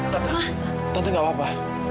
tante tante gak apa apa